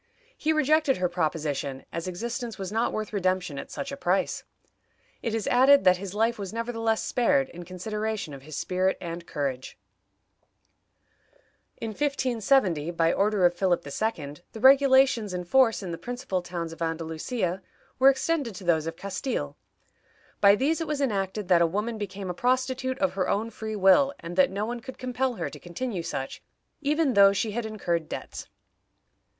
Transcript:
He rejected her proposition, as existence was not worth redemption at such a price. It is added that his life was nevertheless spared, in consideration of his spirit and courage. In 1570, by order of Philip II., the regulations in force in the principal towns of Andalusia were extended to those of Castile. By these it was enacted that a woman became a prostitute of her own free will, and that no one could compel her to continue such, even though she had incurred debts.